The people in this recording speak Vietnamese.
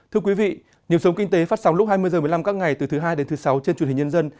thưa quý vị nhiệm sống kinh tế phát sóng lúc hai mươi h một mươi năm các ngày từ thứ hai đến thứ sáu trên truyền hình nhân dân